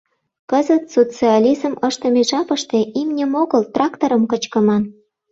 Кызыт, социализм ыштыме жапыште, имньым огыл, тракторым кычкыман.